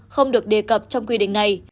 không được đề cập trong quy định này